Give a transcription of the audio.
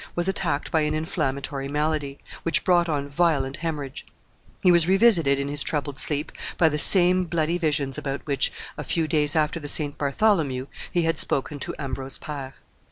was attacked by an inflammatory malady, which brought on violent hemorrhage; he was revisited, in his troubled sleep, by the same bloody visions about which, a few days after the St. Bartholomew, he had spoken to Ambrose Pare.